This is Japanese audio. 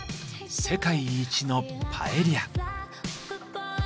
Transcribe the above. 「世界一のパエリア」。